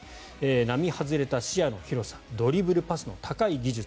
並外れた視野の広さドリブル、パスの高い技術。